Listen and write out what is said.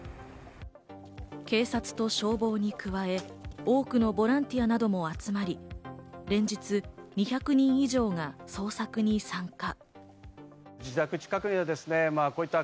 警察と消防に加え、多くのボランティアなども集まり、連日２００人以上が捜索に参加。